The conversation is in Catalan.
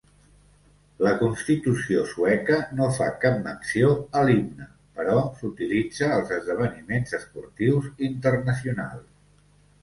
La Constitució sueca no fa cap menció a l'himne, però s'utilitza als esdeveniments esportius internacionals.